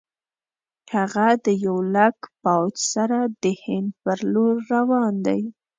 هغه د یو لک پوځ سره د هند پر لور روان دی.